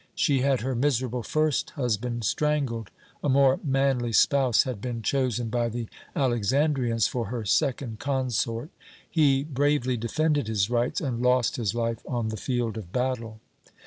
She had her miserable first husband strangled a more manly spouse had been chosen by the Alexandrians for her second consort. He bravely defended his rights, and lost his life on the field of battle.